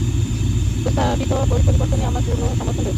প্রস্তাবিত পরিবর্তনে আমার পূর্ণ সমর্থন রয়েছে।